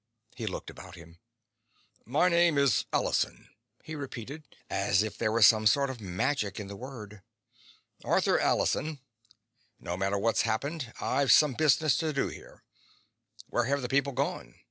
He looked about him. "My name is Allison," he repeated, as if there were some sort of magic in the word. "Arthur Allison. No matter what's happened, I've some business to do here. Where have the people gone?